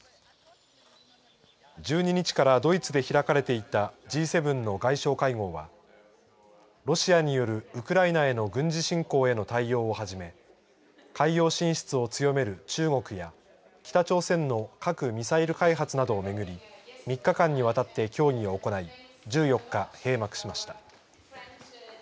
１２日からドイツで開かれていたＧ７の外相会合はロシアによるウクライナへの軍事侵攻への対応をはじめ海洋進出を強める中国や北朝鮮の核・ミサイル開発などを巡り３日間にわたって協議を行い１４日閉幕しました。